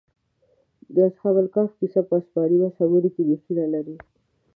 د اصحاب کهف کيسه په آسماني مذهبونو کې مخینه لري.